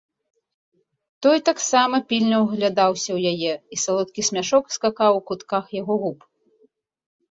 Той таксама пільна ўглядаўся ў яе, і салодкі смяшок скакаў у кутках яго губ.